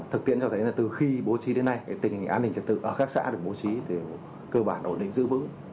thực tiễn cho thấy là từ khi bố trí đến nay tình hình an ninh trật tự ở các xã được bố trí thì cơ bản ổn định giữ vững